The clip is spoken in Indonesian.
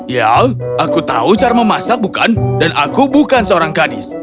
ya aku tahu cara memasak bukan dan aku bukan seorang gadis